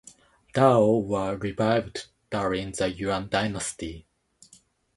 "Dao" were revived during the Yuan dynasty.